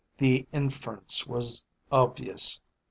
The inference was obvious.